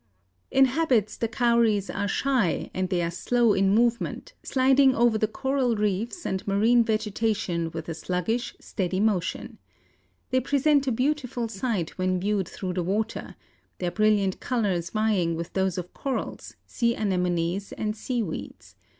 In habits the Cowries are shy and they are slow in movement, sliding over the coral reefs and marine vegetation with a sluggish, steady motion. They present a beautiful sight when viewed through the water, their brilliant colors vying with those of corals, sea anemones and sea weeds.